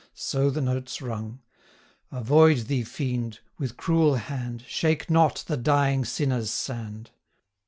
So the notes rung; 'Avoid thee, Fiend! with cruel hand, 975 Shake not the dying sinner's sand!